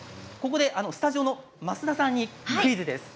スタジオの増田さんにクイズです。